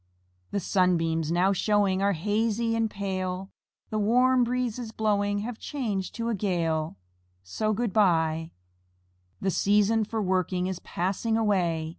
The sunbeams now showing Are hazy and pale, The warm breezes blowing Have changed to a gale, So, "Good by." The season for working Is passing away.